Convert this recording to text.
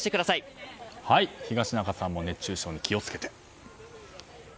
東中さんも熱中症に気をつけて。